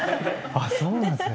あそうなんですね。